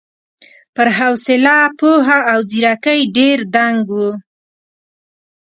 پر حوصله، پوهه او ځېرکۍ ډېر دنګ و.